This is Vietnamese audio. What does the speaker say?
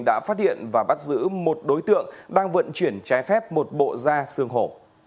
đã phát hiện và bắt giữ một đối tượng đang vận chuyển trái phép một bộ da xương hổ